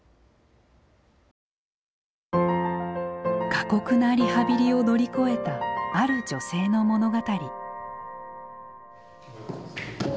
過酷なリハビリを乗り越えたある女性の物語。